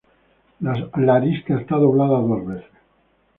La arista está doblada dos veces.